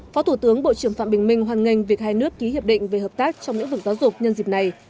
phó thủ tướng bộ trưởng phạm bình minh hoan nghênh việc hai nước ký hiệp định về hợp tác trong lĩnh vực giáo dục nhân dịp này